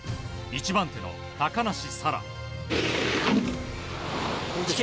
１番手の高梨沙羅。